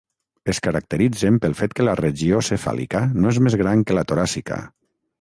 Es caracteritzen pel fet que la regió cefàlica no és més gran que la toràcica.